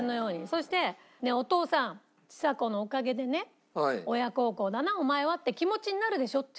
そして「お父さんちさ子のおかげでね親孝行だなお前はって気持ちになるでしょ？」って言ったら。